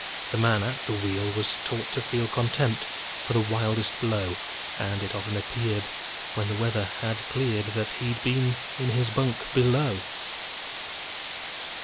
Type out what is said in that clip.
The man at the wheel was taught to feel Contempt for the wildest blow, And it often appeared, when the weather had cleared, That he'd been in his bunk below.